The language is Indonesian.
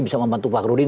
bisa membantu fakrudin